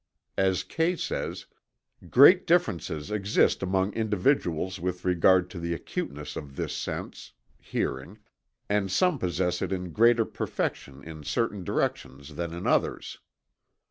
As Kay says: "Great differences exist among individuals with regard to the acuteness of this sense (hearing) and some possess it in greater perfection in certain directions than in others.